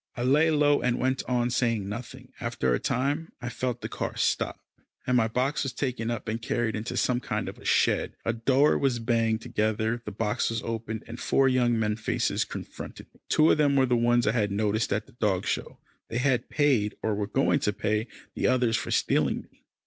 I lay low, and went on saying nothing; and after a time I felt the car stop, and my box was taken up and carried into some kind of a shed, a door was banged together, the box was opened, and four young men faces confronted me. Two of them were the ones I had noticed at the dog show. They had paid, or were going to pay, the others for stealing me.